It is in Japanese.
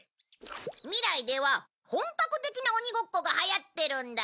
未来では本格的な鬼ごっこがはやってるんだ。